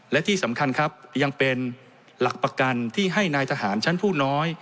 และที่สำคัญครับยังเป็นหลักประกันที่ให้นายทหารชั้นผู้น้อย